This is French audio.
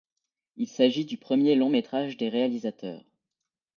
Il s'agit du premier long métrage des réalisateurs.